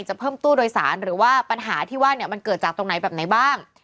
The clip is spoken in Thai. เพิ่มตู้โดยสารหรือว่าปัญหาที่ว่าเนี่ยมันเกิดจากตรงไหนแบบไหนบ้าง